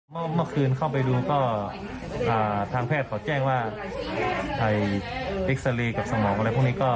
เมื่อคืนเข้าไปดูก็ทางแพทย์เขาแจ้งว่าเอ็กซาเรย์กับสมองอะไรพวกนี้ก็